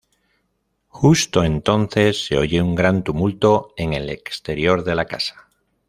Justo entonces, se oye un gran tumulto en el exterior de la casa.